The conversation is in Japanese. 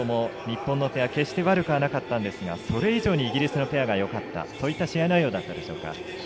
準決勝も日本のペアは決して悪くなかったんですがそれ以上にイギリスのペアがよかったそういった試合内容でしたか？